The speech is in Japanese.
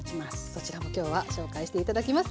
そちらも今日は紹介して頂きます。